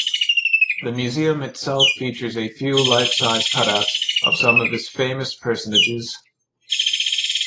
The Museum itself features a few life-size cut-outs of some of his famous personages.